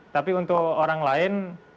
tapi untuk orang lain